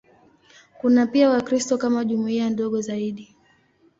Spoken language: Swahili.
Kuna pia Wakristo kama jumuiya ndogo zaidi.